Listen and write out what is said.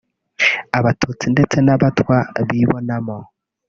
abatutsi ndetse n’abatwa bibonamo